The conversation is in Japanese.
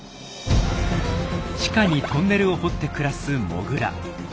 地下にトンネルを掘って暮らすモグラ。